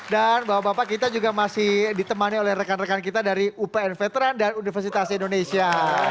dan bapak bapak kita juga masih ditemani oleh rekan rekan kita dari upn veteran dan universitas indonesia